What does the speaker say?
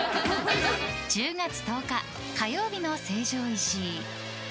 １０月１０日、火曜日の成城石井。